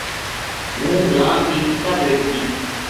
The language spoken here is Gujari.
ہوں گراں کی اِکا بیٹکی